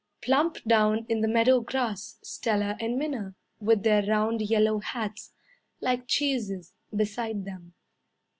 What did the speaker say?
Plump down in the meadow grass, Stella and Minna, With their round yellow hats, Like cheeses, Beside them.